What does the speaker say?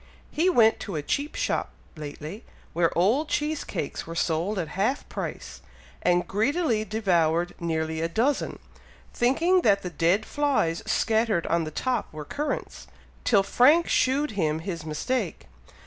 He went to a cheap shop lately, where old cheese cakes were sold at half price, and greedily devoured nearly a dozen, thinking that the dead flies scattered on the top were currants, till Frank shewed him his mistake!"